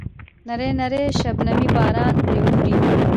نری نری شبنمي باران پرې اوروي.